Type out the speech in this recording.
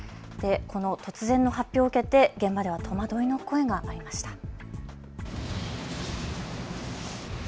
この突然の発表を受けて現場では戸惑いの声がありました。